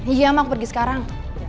iya ma aku pergi sekarang